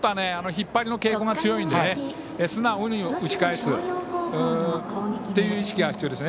引っ張りの傾向が強いので素直に打ち返すという意識が必要です。